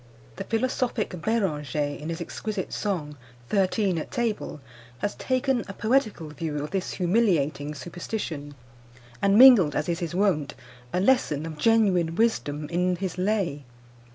The philosophic Beranger, in his exquisite song, Thirteen at Table, has taken a poetical view of this humiliating superstition, and mingled, as is his wont, a lesson of genuine wisdom in his lay.